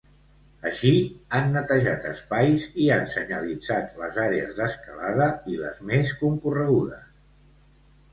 Així, han netejat espais i han senyalitzat les àrees d'escalada i les més concorregudes.